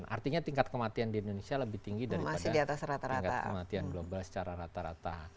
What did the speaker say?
artinya tingkat kematian di indonesia lebih tinggi daripada tingkat kematian global secara rata rata